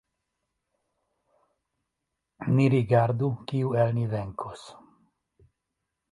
Ni rigardu, kiu el ni venkos!